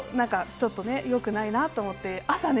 ちょっとね、よくないなと思ってね。